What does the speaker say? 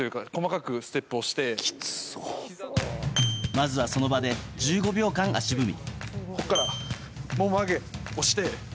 まずはその場で１５秒間、足踏み。